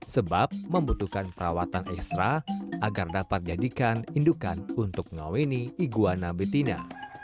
sebab membutuhkan perawatan ekstra agar dapat jadikan indukan untuk mengaweni iguana betina